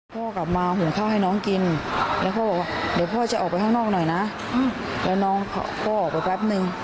พ่อก็ทำอะไรไม่ถูกตกใจแล้วพ่อก็มาโดนแทงอย่างนี้